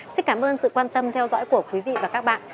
xin cảm ơn sự quan tâm theo dõi của quý vị và các bạn